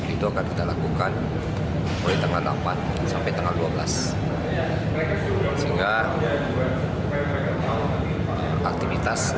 itu akan kita lakukan mulai tanggal delapan sampai tanggal dua belas sehingga aktivitas